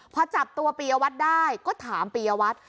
พอจับตัวปียวัตรได้ก็ถามปียวัตร